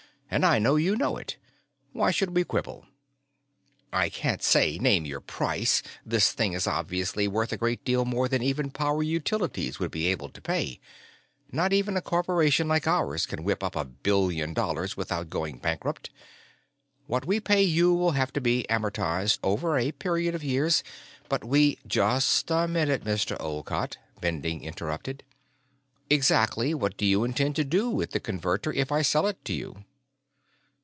And I know you know it. Why should we quibble? "I can't say: 'Name your price'; this thing is obviously worth a great deal more than even Power Utilities would be able to pay. Not even a corporation like ours can whip up a billion dollars without going bankrupt. What we pay you will have to be amortized over a period of years. But we " "Just a minute, Mr. Olcott," Bending interrupted. "Exactly what do you intend to do with the Converter if I sell it to you?"